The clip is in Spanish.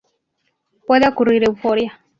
Puede ocurrir euforia.